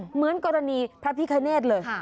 เหมือนกรณีพระพิคเนธเลย